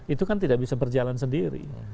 itu kan tidak bisa berjalan sendiri